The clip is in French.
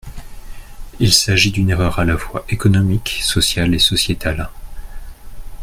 Il s’agit d’une erreur à la fois économique, sociale et sociétale.